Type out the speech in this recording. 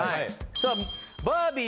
さあバービー